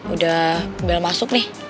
udah belal masuk nih